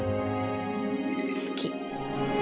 好き。